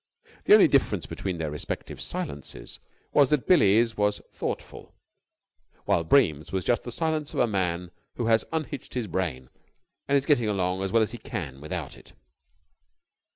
The only difference between their respective silences was that Billie's was thoughtful, while Bream's was just the silence of a man who has unhitched his brain and is getting along as well as he can without it.